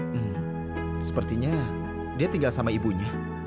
hmm sepertinya dia tinggal sama ibunya